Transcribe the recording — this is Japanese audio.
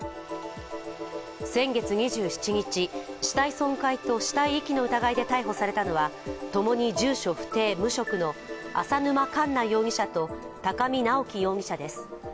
先月２７日、死体損壊と死体遺棄の疑いで逮捕されたのは共に住所不定・無職の淺沼かんな容疑者と高見直輝容疑者です。